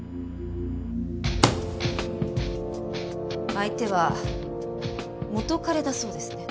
相手は元彼だそうですね。